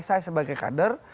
saya sebagai kader